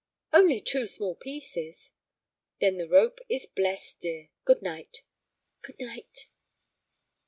"Only two small pieces." "Then the rope is blessed, dear. Good night." "Good night."